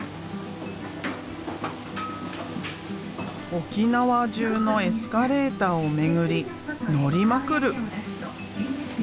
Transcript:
沖縄中のエスカレーターを巡り乗りまくる。